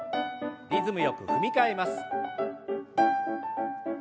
リズムよく踏み替えます。